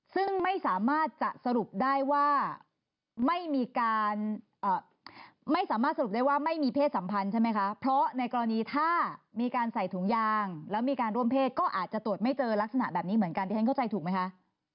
ซึ่งไม่สามารถจะสรุปได้ว่าไม่มีการไม่สามารถสรุปได้ว่าไม่มีเพศสัมพันธ์ใช่ไหมคะเพราะในกรณีถ้ามีการใส่ถุงยางแล้วมีการร่วมเพศก็อาจจะตรวจไม่เจอลักษณะแบบนี้เหมือนกันที่ฉันเข้าใจถูกไหมคะ